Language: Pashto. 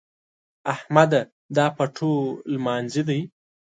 احمده! دا پټو لمانځي دی؟